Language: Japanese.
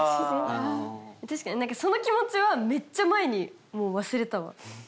確かにその気持ちはめっちゃ前にもう忘れたわ。